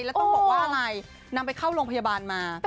แล้วต้องบอกว่าอะไรนำไปเข้าโรงพยาบาลมา